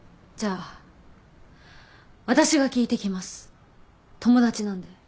じゃあ私が聞いてきます友達なんで。